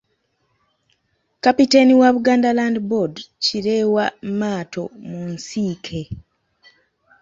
Kapiteeni wa Buganda Land Board, Kireewa Maato mu nsiike.